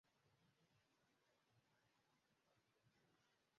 Imbwa yera irasimbuka kugirango ivurwe